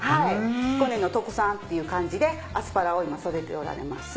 彦根の特産っていう感じでアスパラを今育てておられます。